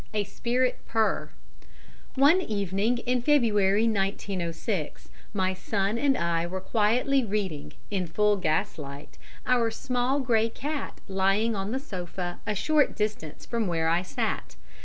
A Spirit Purr_ One evening in February, 1906, my son and I were quietly reading, in full gaslight, our small grey cat lying on the sofa a short distance from where I sat.